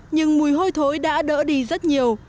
nhưng mùi hôi thối đã đỡ đi rất nhiều